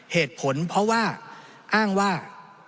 เหตุผลเพราะว่าอ้างว่า